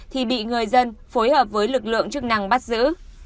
thì bị người dân phối hợp với lực lượng chức năng bắt giữ